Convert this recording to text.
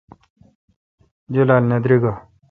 جولال نہ دریگہ۔